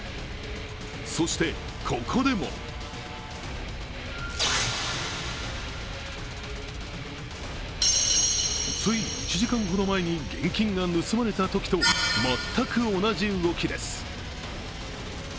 そして、ここでもつい１時間ほど前に現金が盗まれたときと全く同じ動きです。